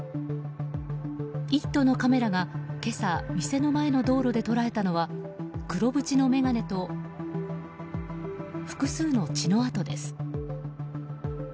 「イット！」のカメラが今朝、店の前の道路で捉えたのは黒縁の眼鏡と複数の血の痕です。